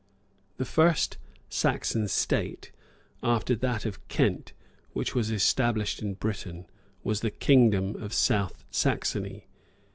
The first Saxon state, after that of Kent, which was established in Britain, was the kingdom of South Saxony.